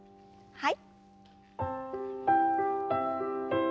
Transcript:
はい。